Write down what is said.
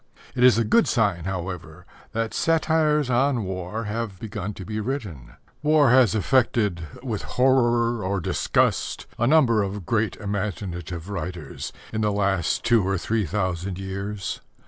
It is a good sign, however, that satires on war have begun to be written. War has affected with horror or disgust a number of great imaginative writers in the last two or three thousand years.